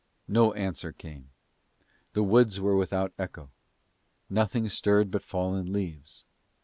No answer came: the woods were without echo: nothing stirred but fallen leaves.